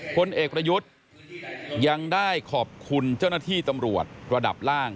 พลเอกประยุทธ์ยังได้ขอบคุณเจ้าหน้าที่ตำรวจระดับล่าง